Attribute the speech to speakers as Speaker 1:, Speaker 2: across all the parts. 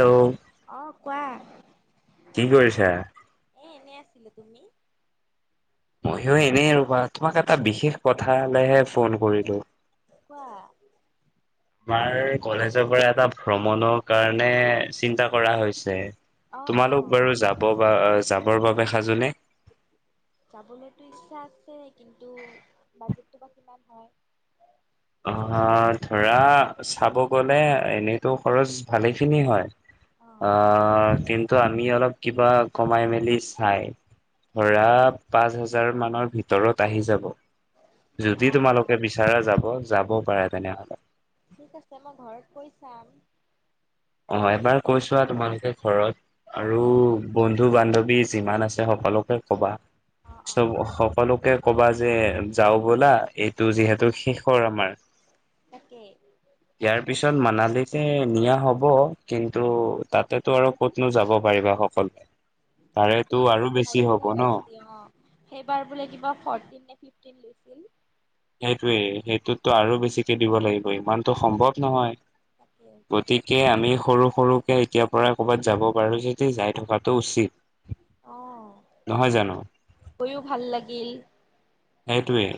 Speaker 1: Hello! অ কোৱা,
Speaker 2: কি কৰিছা?
Speaker 1: এ এনেই আছোঁ। আছিলোঁ, তুমি?
Speaker 2: মইও এনেই আৰু আ, তোমাক এটা বিশেষ কথা লেহে ফোন কৰিলোঁ। ‌
Speaker 1: কোৱা
Speaker 2: আমাৰ কলেজৰ পৰা এটা ভ্ৰমণৰ কাৰণে চিন্তা কৰা হৈছে।
Speaker 1: অ অ
Speaker 2: তোমালোক বাৰু যাব। বা যাবৰ বাবে সাজোনে,
Speaker 1: যাবলৈতো ইচ্ছা আছে কিন্তু বাজেটটো বা কিমান হয়।
Speaker 2: অ ধৰা চাব গলে এনেইতো খৰচ ভালে খিনি হয়। অ কিন্ত। ত আমি অলপ কিবা কমাই মেলি চাই।
Speaker 1: উম
Speaker 2: ধৰা পাঁচ হাজাৰ। হজাৰ মানৰ ভিতৰত আহি যাব। যদি
Speaker 1: অ অ
Speaker 2: তোমালোকে বিচাৰে যাব। যাবও পাৰে তেনেহ'লে।
Speaker 1: ঠিক আছে মই ঘৰত কৈ চাম।
Speaker 2: অ এবাৰ কৈছোৱা তোমালোকে ঘৰত। আৰু
Speaker 1: অ
Speaker 2: বন। বন্ধু বান্ধৱী যিমান আছে সকলোকে ক'বা।
Speaker 1: অ অ
Speaker 2: চব সকলোকে। কবা যে যাও ব'লা এইটো যিহেতু শেষৰ আমাৰ।
Speaker 1: তাকে
Speaker 2: ইয়াৰ পিছত মানাল। তেকে নিয়া হ'ব। [inaudible] কিন্তু
Speaker 1: উম
Speaker 2: তাতেতো আৰু ক'তনো যাব পাৰিবা হওক। চল।
Speaker 1: তাতে লাইফ টো বেছি অ, সেইবাৰ বোলে কিবা ফ। কি লিছিল।
Speaker 2: সেইটোৱে সেইটোতো আৰু বেছিকে দিব লাগিব ইমানতো সম্ভৱ নহয়।
Speaker 1: তাকে
Speaker 2: গতিকে আমি। সৰু সৰুকে এতিয়াৰ পৰা কৰ'ৰবাত যাব পাৰো যদি যাই থকাটো উচিত।
Speaker 1: আহ
Speaker 2: নহয় জানো
Speaker 1: গৈও ভাল লাগিল।
Speaker 2: সেইটোৱেই,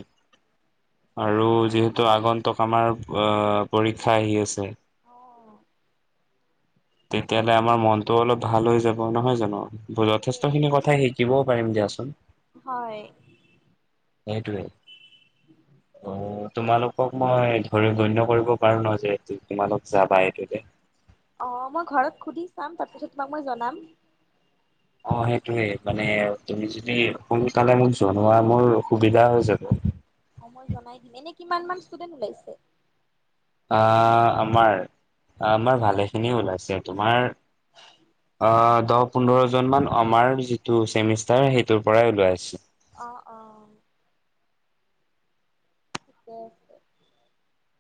Speaker 1: অ
Speaker 2: আৰু যিহেতু আগন্তক আমাৰ পৰীক্ষা আহি আছে।
Speaker 1: আহ।
Speaker 2: তেতিয়াহ'লে আমাৰ মনতটো অলপ ভাল হৈ যাব নহয় জানো।
Speaker 1: তাকে
Speaker 2: যথেষ্ট খিনি কথাই শেই। দিবও পাৰিম দিয়াচোন,
Speaker 1: হয়।
Speaker 2: সেইটোৱে, অ তোমালোকক মই ধৰি গণ্য কৰিব পাৰো ন যে তোমালোক যাবা এইটোলে।
Speaker 1: অ মই ঘৰত সুধি চাম তাৰপিছত তোমাক মই জনাম।
Speaker 2: অ, সেইটোৱে মানে তুমি যদি সোনকালে মোক জনোৱা মোৰ সুবিধা হৈ যাব
Speaker 1: অ মই জনাই দিম এনে কিমান মান ষ্টুডেন্ট ওলাইছে
Speaker 2: আ আমাৰ আমাৰ ভালে খিনি ওলাইছে আছে তোমাৰ অ দহ পোন্ধৰ জনমান আমাৰ যিটো চেমিষ্টাৰ সেইটোৰ পৰাই ওলাই আছে
Speaker 1: অ অ [unintelligible]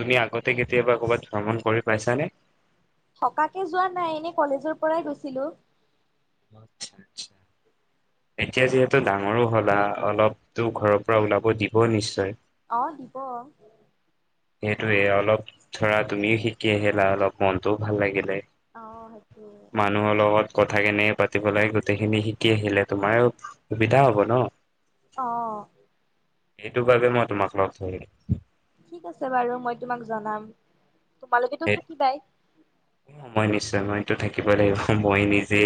Speaker 2: তুমি আগতে কেতিয়াবা কৰ'বাত ভ্ৰমণ কৰি পাইছানে?
Speaker 1: থকাকে যোৱা নাই এনে কলেজৰ পৰাই গৈছিলো।
Speaker 2: আচ্ছা আচ্ছা এতিয়া যিহেতু ডাঙৰো হলা অলপতো ঘৰৰ পৰা ওলাব দিব নিশ্চয়।
Speaker 1: অহ দিব
Speaker 2: সেইটোয়ে অলপ ধৰা তুমিও শিকি আহিলা অলপ মনতটোও ভাল লাগিলে।
Speaker 1: অ সেইটোৱেই
Speaker 2: মানুহৰ লগত কথা কেনেকে পাতিব লাগে গোটেইখিনি শিকি আহিলে তোমাৰ সুবিধা হব ন।
Speaker 1: অ
Speaker 2: এইটো কাৰণে মই তোমাক লগ ধৰি
Speaker 1: ঠিক আছে বাৰু মই তোমাক জনাম। তোমালোকেতো থাকিবাই
Speaker 2: মই নিশ্চয় মইটো থাকিবই লাগিব মই নিজে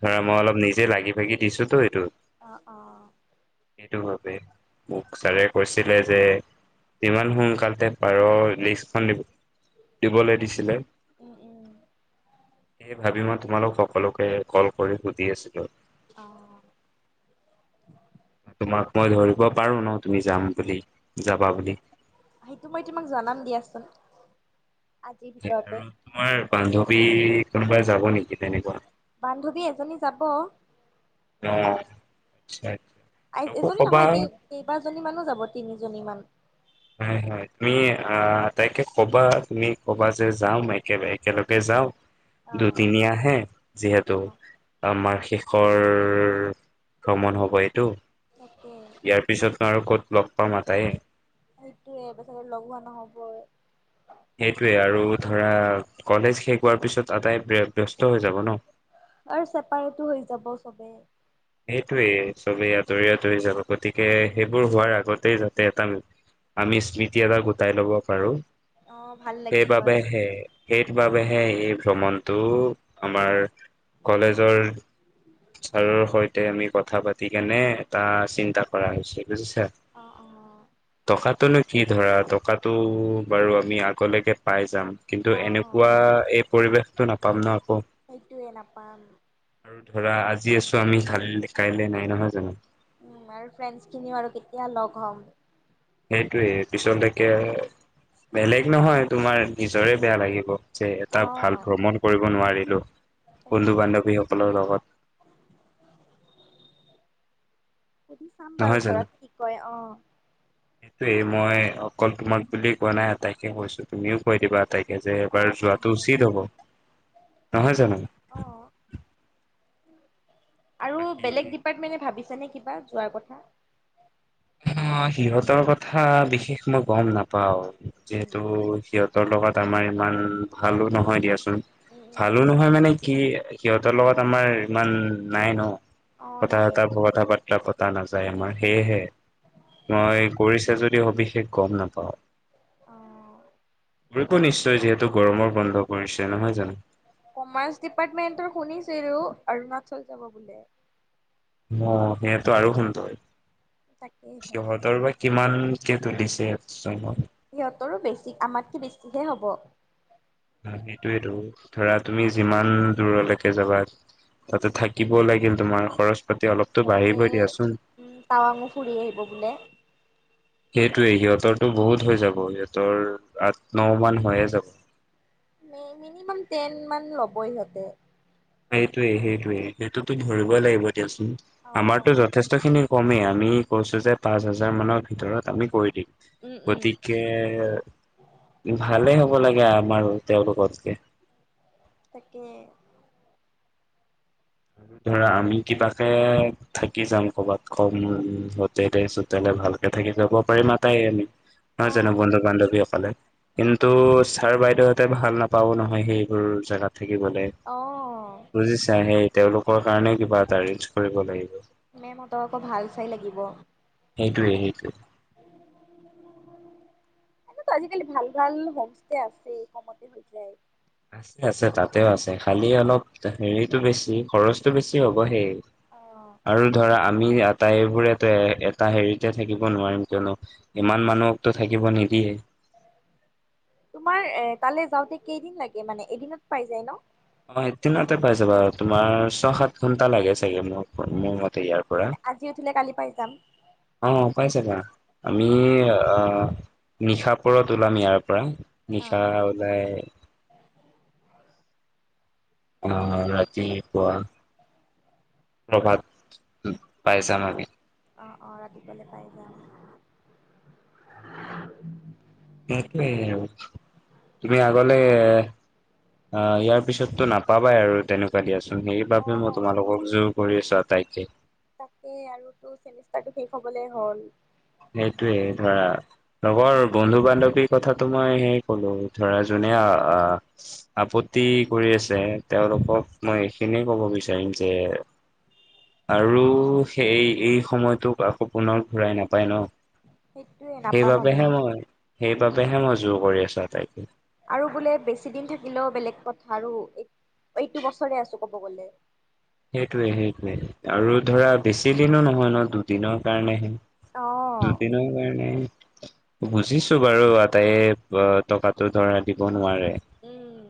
Speaker 2: ধৰা মই অলপ নিজে লাগি ভাগি দিছো তো এইটোত
Speaker 1: অ অ
Speaker 2: সেইটো ভাৱে মোক ছাগে কৈছিলে যে যিমান সোনকালতে পাৰ লিষ্টখন দিব দিবলৈ দিছিলে
Speaker 1: উম উম
Speaker 2: এই ভাবি মই তোমালোক সকলোকে কল কৰি সুধি আছিলো
Speaker 1: অ
Speaker 2: তোমাক মই ধৰিব পাৰো ন তুমি যাম বুলি যাবা বুলি
Speaker 1: সেইটো মই তোমাক জনাম দিয়াচোন আজিৰ ভিতৰতে
Speaker 2: আৰু তোমাৰ বান্ধ ৱী কোনোবা যাব নেকি তেনেকুৱা
Speaker 1: বান্ধৱী এজনী যাব
Speaker 2: অ আচ্ছা তাকো
Speaker 1: এজনী
Speaker 2: ক'বা
Speaker 1: নহয় কেই কেইবাজনী মানো যাব তিনিজনী মান
Speaker 2: হয় হয় তুমি আহ আটাইকে কবা তুমি কবা যে যাওঁ একেলগে একেলগে যাওঁ
Speaker 1: অ
Speaker 2: দুদিনীয়া হে যিহেতু
Speaker 1: অ
Speaker 2: আমাৰ শেষৰ ৰৰ ভ্ৰমণ হব এইটো
Speaker 1: তাকে
Speaker 2: ইয়াৰ পিছত নো আৰু ক'ত লগ পাম আটাইয়ে
Speaker 1: কে এবছাৰ ধৰি লগোৱা নহ'বই
Speaker 2: সেইটোৱে আৰু ধৰা কলেজ শেষ হোৱাৰ পিছত আটাইয়ে ব্য ব্যস্ত হৈ যাব ন
Speaker 1: আৰু চেপাৰেটো হৈ যাব চবে
Speaker 2: সেইটোৱে চবেই আঁতৰি আঁতৰি যাব গতিকে সেইবোৰ হোৱাৰ আগত তাতে যাতে এটা আমি স্মৃতি এটা গোটাই লব পাৰো
Speaker 1: অ', ভাল
Speaker 2: সেই
Speaker 1: লাগিল
Speaker 2: বাবে
Speaker 1: হয়।
Speaker 2: হে সেইবাবে হে সেই ভ্ৰমণটো আমাৰ কলেজৰ ছাৰৰ সৈতে ততে আমি কথা পাতি কেনে এটা চিন্তা কৰা হৈছে। বুজিছা
Speaker 1: অ', অ',
Speaker 2: টকা সেইটো নো কি ধৰা টকাতটো বাৰু আমি আগলৈকে পাই যাম কিন্তু
Speaker 1: অ'
Speaker 2: এনেকুৱা এই পৰিৱেশটো নাপাম ন আকৌ।
Speaker 1: সেইটোৱে নাপাম
Speaker 2: আৰু ধৰা আজি আছো আমি কা কাই কাইলে নাই নহয় জানো?
Speaker 1: উম আৰু ফ্ৰেড খিনিও আৰু কেতিয়া লগ হ'ম।
Speaker 2: সেইটোয়ে পিছলৈকে বেলেগ নহয় তোমাৰ নিজৰে বেয়া লাগিব। যে এটা ভাল
Speaker 1: অ',
Speaker 2: ভ্ৰমণ কৰিব। নোৱাৰিলো।
Speaker 1: তাকে
Speaker 2: বন্ধু বান্ধৱীসকলৰ লগত।
Speaker 1: সুধি চাম বাৰু
Speaker 2: নহয়
Speaker 1: ঘৰত কি কয় অ।
Speaker 2: সেইটোৱয়ে মই অকল তোমাক বুলি কোৱা নাই আটাইকে কৈছো তুমিও কৈ দিবা। তাইকে যে এবাৰ
Speaker 1: অ', কম
Speaker 2: যোৱাটো
Speaker 1: কম।
Speaker 2: উচিত হব।
Speaker 1: ঠিক
Speaker 2: নহয় জানো?
Speaker 1: আছে। অ', আৰু
Speaker 2: বাকী
Speaker 1: বেলেগ ডিপাৰ্টমেণ্টে ভাবি ছে নে কিবা যোৱাৰ কথা।
Speaker 2: অ সিহঁতৰ কথা বিশেষ মই গম নাপাও।
Speaker 1: উম।
Speaker 2: যিহেতু সিহত ত লগত আমাৰ ইমান ভালো নহয় দিয়াচোন।
Speaker 1: উম,
Speaker 2: ভালো
Speaker 1: উম,
Speaker 2: নহয় মানে কি সিহঁতৰ লগত আমাৰ ইমান নাই ন।
Speaker 1: অ',
Speaker 2: কথা
Speaker 1: নাই।
Speaker 2: অথা কথা পাতি। কথা পতা নাযায় য় আমাৰ
Speaker 1: উম,
Speaker 2: সেয়েহে মই কৰিছে যদি সবিশেষ গম নাপাওঁ।
Speaker 1: আহ।
Speaker 2: টো নিশ্চয় যিহেতু গৰমৰ বন্ধ পৰিছে নহয় জানো।
Speaker 1: কমাৰ্চ ডিপাৰ্টমেন্টৰ শুনিছিলো, অৰুণাচল যাব বোলে।
Speaker 2: অ সেইয়াটো আৰু সুন্দৰ
Speaker 1: তাকেইহে
Speaker 2: কিমানকে তুলিছে চব,?
Speaker 1: সিহঁতৰো বেছি আমাতকে বেছিহে হব।
Speaker 2: সেইটোয়েটো ধৰা তুমি যিমান দূৰলৈকে যাবা। তাতে থাকিব লাগিল তোমাৰ খৰচ পাতি অলপতো
Speaker 1: সিহঁতে
Speaker 2: বাঢ়িবই দিয়াচোন।
Speaker 1: উম টাৱাঙ ফুৰি আহিব বোলে।
Speaker 2: সেইটোৱে সিহঁতৰটো বহুত হৈ যাব সিহঁতৰ আঠ ন মান হৈয়ে যাব।
Speaker 1: মিনিমাম টেন মান ল'ব সিহঁতে
Speaker 2: সেইটোৱেই সেইটোৱেই সেইটোতো ধৰিব লাগিব। দিয়া চোন।
Speaker 1: অঁ
Speaker 2: আমাৰতো যথেষ্ট খিনি কমেই আমি কৈছো যে পাঁচ হাজাৰ মানৰ ভিতৰত আমি কৰি দিম।
Speaker 1: উম উম।
Speaker 2: গতিকে, ভালে হ'ব ভাল হব লাগে আমাৰ তেওঁলোকতকে
Speaker 1: তাকে
Speaker 2: আৰু ধৰা আমি কিবাকে থাকি যাম কবাত কম হোটেলে চোটলে ভালকে থাকি যাব পাৰিমা তাই আমি নহয় জানো
Speaker 1: অঁ
Speaker 2: বন্ধু বান্ধৱীসকলে, কিন্তু তাৰ বাইদেউহঁতে ভাল নাপাব নহয় সেইবোৰ জেগাত। থাকিবলে।
Speaker 1: অঁ
Speaker 2: বুজিছা সেই তেওঁলোকৰ কাৰণে কিবা এটা এৰেঞ্জ কৰিব লাগিব।
Speaker 1: মেমঁহতৰ আকৌ ভাল চাই লাগিব।
Speaker 2: সেইটোৱে সেইটোৱে
Speaker 1: এটো ত আজিকালি ভাল ভাল হোমষ্টে আছে কমতে হৈ যায়
Speaker 2: আছে আছে তাতেও আছে খালি অলপ হেৰিতটো বেছি খৰচটো বেছি হ'ব সেই।
Speaker 1: অঁ
Speaker 2: আৰু ধৰা আমি আটাইবোৰ এটা হেৰিতে থাকিব নোৱাৰিম কিযনো ইমান মানুহক তো থাকিব নিদিয়ে
Speaker 1: তোমাৰ এ তালে যাওঁতে কেইদিন লাগে মানে এদিনত পাই যায় ন
Speaker 2: অ এক দিনতে পাই যাবা তোমাৰ ছয় সাত ঘণ্টা লাগে চাগে মোৰ মতে ইয়াৰ পৰা,
Speaker 1: মানে আজি উঠিলে কালি পাই যাম।
Speaker 2: অ পাইছে আমি
Speaker 1: অঁ
Speaker 2: আহ নিশা পৰত ওলাম ইয়াৰ পৰা পৰা
Speaker 1: অঁ
Speaker 2: নিশা উলায় আহ ৰাতিপুৱা প্ৰভাত পাই যাম আমি।
Speaker 1: অ অ ৰাতিপুৱালে পাই যাম
Speaker 2: সেইটোৱে আৰু তুমি আগলে এ আহ ইয়াৰ পিছতটো নাপাবাই আৰু তেনেকুৱা দিয়াচোন সেইবাবে মই
Speaker 1: অঁ
Speaker 2: তোমালোকক যুগ পৰি চাওঁ তাকে
Speaker 1: তাকে আৰুটো চেমিষ্টাৰটো শেষ হবলৈ হ'ল।
Speaker 2: সেইটোৱেই ধৰা লগৰ বন্ধু বান্ধৱীৰ কথাটো মই সেয় কলো ধৰা যোনে আহ আপত্তি কৰি আছে তেওঁলোকক মই এইখিনিয়ে কব বিচাৰিম যে আৰু সেই এই সময়টোক আকৌ পুনৰ ঘূৰাই নাপা পাই ন?
Speaker 1: সেইটোয়ে নাপাম আমি
Speaker 2: সেইবাবেহে মই সেই বাবেহে মই জোৰ কৰি আছো আটাইকে,
Speaker 1: আৰু বোলে বেছি দিন থাকিলেও বেলেগ কথা আৰু এই এইটো বছৰে আছো কব গলে।
Speaker 2: সেইটোৱে-সেইটোৱে আৰু ধৰা বেছি দিনো নহয় ন দুদিনৰ কাৰণেহে
Speaker 1: অ'।
Speaker 2: দুদিনৰ কাৰনে। বুজিছো বাৰু আটাইে টকাাতো ধৰা দিব নোৱাৰে।
Speaker 1: উম।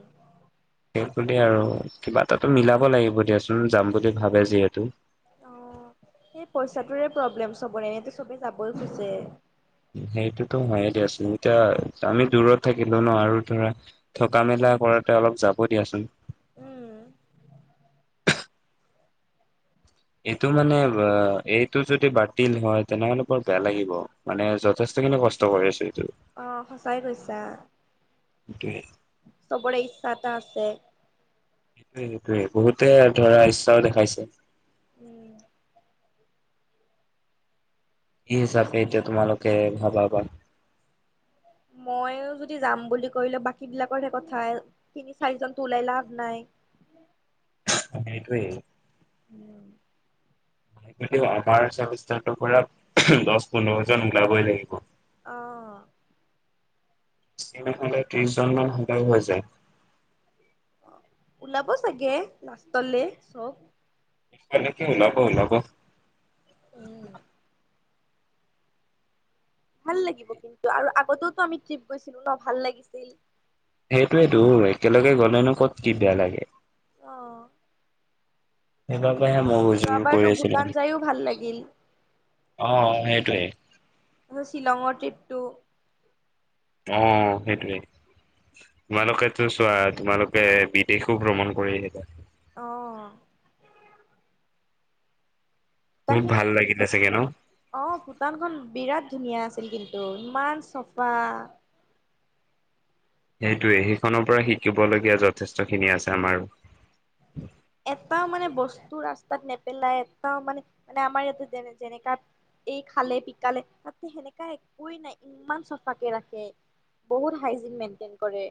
Speaker 2: সেই বুলি আৰু কিবা এটাটো মিলাব লাগিব দিয়াচোন যাম বুলি ভাবে যিহেতু।
Speaker 1: অহ, সেই পইচাটোৰে প্ৰব্লেম চবৰে এনে চবে যাব খুজছে।
Speaker 2: সেইটোতো হয়ে দিয়াচোন এতিয়া আমি দূৰত থাকিলো ন আৰু ধৰা থকা মেলা কৰাতে অলপ যাব দিয়াচোন। এইটো মানে এইটো যদি বাতিল হয় তেনেহলে বৰ বেয়া লাগিব মানে যথেষ্ট খিনি কষ্ট কৰি আছো। এইটো সেইটোৱে।
Speaker 1: অহ সঁচাই কৈছা।
Speaker 2: সেইটোৱে
Speaker 1: চবৰে ইচ্ছা এটা আছে।
Speaker 2: সেইটোৱে-সেইটোৱে বহুতে ধৰা ইচ্ছাও দেখাইছে।
Speaker 1: উম।
Speaker 2: এই হিচাপে এতিয়া তোমালোকে ভাবা বা
Speaker 1: মইো যদি যাম বুলি কলেো বাকী বিলাকৰহে কথা তিনি চাৰিজনতো ওলাই লাভ নাই।
Speaker 2: সেইটোৱেই। আমাৰ চাউথ ষ্টেণ্ডৰ পৰা দহ পোন্ধৰ জন ওলাবই লাগিব।
Speaker 1: অহ।
Speaker 2: বেছি নহলে ত্ৰিছজনমান হলেও হৈ যায়।
Speaker 1: ওলাব চাগে, লাষ্টলৈ চব?
Speaker 2: [unintelligible] ওলাব-ওলাব।
Speaker 1: উম। ভাল লাগিব কিন্তু আৰু আগতেওতো আমি ট্ৰিপ গৈছিলো ন? ভাল লাগিছিল।
Speaker 2: সেইটোয়েতো একেলগে গলেনো কত কি বেয়া লাগে?
Speaker 1: আহ
Speaker 2: সেইব [unintelligible] [unintelligible] যুৰ কৰি আছিলো।
Speaker 1: ভূটান যায়ো ভাল লাগিল
Speaker 2: অহ-অহ সেইটোৱে।
Speaker 1: শ্বিলঙৰ ট্ৰিপটো।
Speaker 2: অহ সেইটোৱে, তোমালোকেতো চোৱা তোমালোকে বিদেশো ভ্ৰমণ কৰি আহিলা।
Speaker 1: অহ। ভূটান
Speaker 2: বহুত ভাল
Speaker 1: খিনি
Speaker 2: লাগিলে চাগে ন?
Speaker 1: [inaudible] অহ ভূটানখন বিৰাট ধুনীয়া আছে। কিন্তু ইমান চফা
Speaker 2: সেইটোৱে সেইখনৰ পৰা শিকিবলগীয়া যথেষ্টখিনি আছে আমাৰো।
Speaker 1: এটাও মানে বস্তু ৰাস্তাত নেপেলাই এটাও মানে মানে আমাৰ ইয়াতে যেনে যেনেকা এই খালে পিকালে তাতে সেনেকাা একোৱ নাই ইমান চাফাকে ৰাখে বহুত হাইজিন মেইনটেইন কৰে।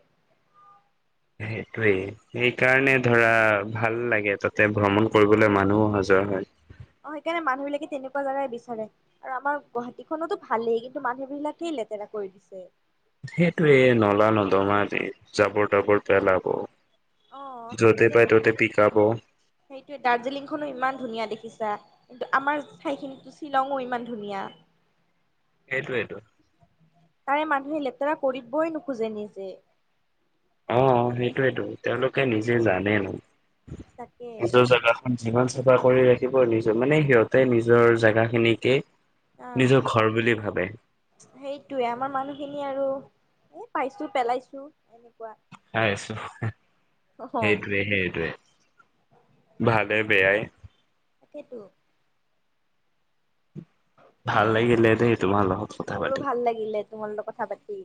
Speaker 2: সেইটোৱেই। সেইকাৰণে ধৰা ভাল লাগে তাতে ভ্ৰমণ কৰিবলৈ মানুহো সজোৱা হয়।
Speaker 1: অহ সেইকাৰণে মানুহ বিলাকে তেনেকুৱা জেগাই বিচাৰে আৰু আমাৰ গুৱাহাটীখনতো ভালেই কিন্তু মানুহ বিলাকেই লেতেৰা কৰি দিছে।
Speaker 2: সেইটোয়ে নলা নদমা যে জাবৰ তাবৰ পেলাব।
Speaker 1: অহ,
Speaker 2: য'তে পাই ত'তে পিকাব
Speaker 1: সেইটোে দাৰ্জিলিংখনো ইমান ধুনীয়া দেখিছা। কিন্তু আমাৰ ঠাইখিনিতো শ্বিলংও ইমান ধুনীয়া।
Speaker 2: সেইটোৱ সেইটো।
Speaker 1: তাৰে মানুহে লেতেৰা কৰিবই নোখোজে নিজে।
Speaker 2: অ সেইটোয়েতটো তেওঁলোকে নিজে নানে ন।
Speaker 1: তাকে
Speaker 2: নিজৰ জাগা। যিমান চাফা কৰি ৰাখিব নিজ মানে সিহঁতে নিজৰ জোগা খিনিকে।
Speaker 1: অ
Speaker 2: নিজৰ ঘৰ বুলি ভাবে।
Speaker 1: এ আৰু এ পাইছো পেলাইছো এ।
Speaker 2: চাই আছো
Speaker 1: অ
Speaker 2: সেইটোৱে সেইটোৱে ভালে বেয়াই।
Speaker 1: তাকেইতো।
Speaker 2: ভাল লাগিলে দেই। তোমাৰ লগত কথা
Speaker 1: মোৰো
Speaker 2: পাতি।
Speaker 1: ভাল লাগিলে তোমাৰ লগত কথা পাতি।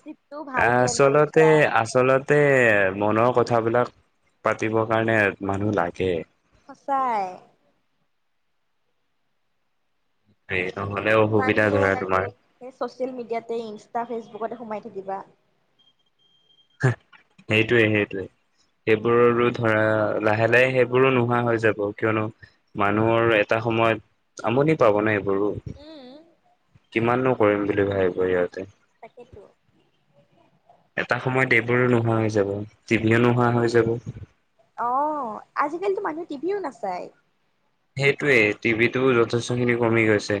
Speaker 1: ট্ৰিপটো ভাল প্লেন কৰিছা
Speaker 2: আচলতে আচলতে মনৰ কথা। কথাবিলাক পাতিবৰ কাৰণে মানুহ লাগে।
Speaker 1: সঁচাই।
Speaker 2: স [unintelligible]
Speaker 1: কিমাননো আৰু চচিয়েল মিডিয়াতে ইনষ্টা ফেচবুকতে সোমাই থ। কিবা।
Speaker 2: সেইটোৱে সেইটোৱে। সেইবোৰৰো ধৰা লাহে লাহে
Speaker 1: অ
Speaker 2: সেইবোৰো
Speaker 1: অ
Speaker 2: নোহোৱা হৈ যাব। কিয়নো মানুহৰ এটা সময়ত আমনি পাব ন। গ
Speaker 1: উম
Speaker 2: কিমানো। কৰিম বুলি ভাবিব সিহঁতে।
Speaker 1: তাকেইটো।
Speaker 2: এটা সময়ত এইবোৰো নোহোৱা হৈ যাব টিভিও নোহোৱা হৈ যাব।
Speaker 1: আহ আজিকালিতো মানুহে টিভিও নাচায়।
Speaker 2: সেইটোৱে টিভিটোও যথেষ্টখিনি কমি গৈছে।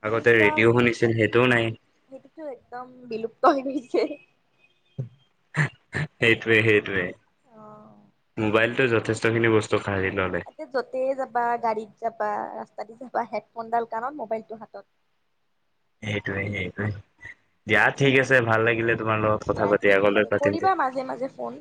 Speaker 1: পছ
Speaker 2: আগতে ৰেডিঅ' শুনিছিল সেইটোও নাই
Speaker 1: সেইটোতো একদম বিলুপ্ত হৈ গৈছে।
Speaker 2: সেইটোৱেই সেইটোৱে।
Speaker 1: অ'
Speaker 2: মোবাইলটো যত। যথেস্ত খিনি বস্তু আছে।
Speaker 1: এয়া যতে যাবা গাড়ীত যাবা ৰাস্তাতে যাবা। বা হেডফোনডাল কাণত মোবাইলটো হাতত।
Speaker 2: সেইটোৱে সেইটোৱে দিয়া ঠিক আছে ভাল লাগিলে। তোমাৰ লগত কথা
Speaker 1: দিয়া
Speaker 2: পাতি
Speaker 1: ঠিক
Speaker 2: আগলৈ
Speaker 1: আছে
Speaker 2: পাতিম দিয়া
Speaker 1: কৰিবা মাজে মাজে ফোন।